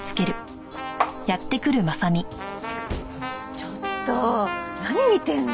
ちょっと何見てんの？